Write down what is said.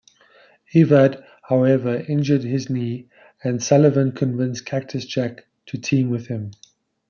Evad, however, injured his knee, and Sullivan convinced Cactus Jack to team with him.